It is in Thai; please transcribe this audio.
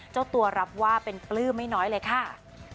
เจ้าตัวรับว่าเป็นปลื้มไม่น้อยเลยค่ะ